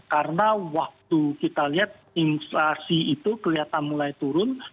karena waktu kita lihat inflasi itu kelihatan mulai turun